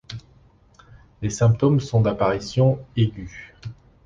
Les symptômes sont d'apparition aigüe.